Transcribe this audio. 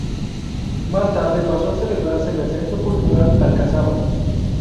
Más tarde pasó a celebrarse en el Centro Cultural Alcazaba.